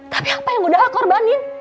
tapi apa yang udah aku korbanin